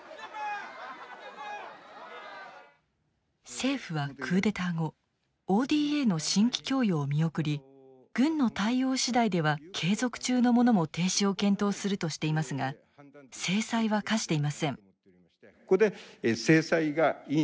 政府はクーデター後ＯＤＡの新規供与を見送り軍の対応次第では継続中のものも停止を検討するとしていますが制裁は科していません。